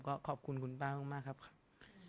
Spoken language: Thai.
ก็ขอบคุณคุณป้ามากครับ